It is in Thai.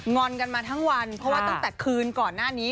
อนกันมาทั้งวันเพราะว่าตั้งแต่คืนก่อนหน้านี้